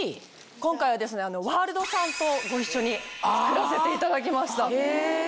今回はワールドさんとご一緒に作らせていただきました。